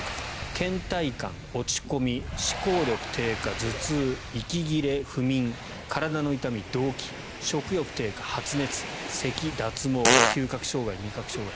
けん怠感、落ち込み、思考力低下頭痛息切れ、不眠、体の痛み、動悸食欲低下、発熱、せき、脱毛嗅覚障害、味覚障害。